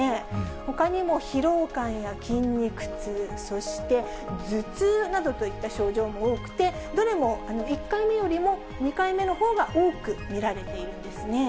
ほかにも疲労感や筋肉痛、そして頭痛などといった症状も多くて、どれも１回目よりも２回目のほうが多く見られているんですね。